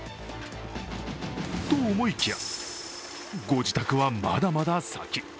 と、思いきや、ご自宅はまだまだ先。